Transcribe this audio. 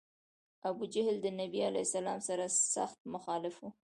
ابوجهل د نبي علیه السلام سر سخت مخالف و.